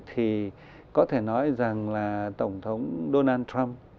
thì có thể nói rằng là tổng thống donald trump